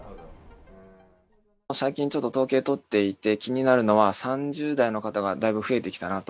最近ちょっと、統計取っていて気になるのは、３０代の方がだいぶ増えてきたなと。